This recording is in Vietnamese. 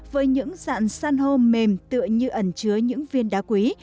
với những dặn săn hô mềm tựa như ẩn chứa những viên đá quý